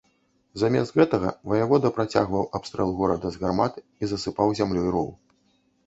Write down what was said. Замест гэтага ваявода працягваў абстрэл горада з гармат і засыпаў зямлёй роў.